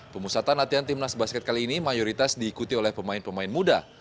pemusatan latihan timnas basket kali ini mayoritas diikuti oleh pemain pemain muda